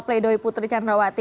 pleidoy putri candrawati